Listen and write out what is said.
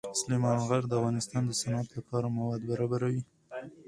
سلیمان غر د افغانستان د صنعت لپاره مواد برابروي.